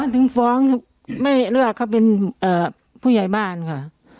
ถึงฟ้องไม่เลือกเขาเป็นผู้ใหญ่บ้านค่ะ